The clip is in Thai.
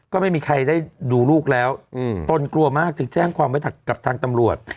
ก็ไม่มีใครได้ดูลูกแล้วตนกลัวมากจึงแจ้งความไว้กับทางตำรวจ